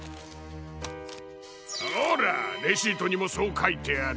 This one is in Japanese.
ほらレシートにもそうかいてある。